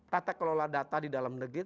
tata kelola data di dalam negeri